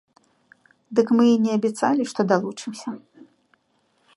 Дык мы і не абяцалі, што далучымся.